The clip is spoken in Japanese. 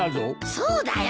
そうだよ。